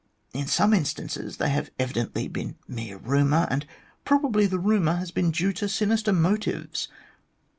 In some instances, they have evidently been mere rumour, and probably the rumour has been due to sinister motives.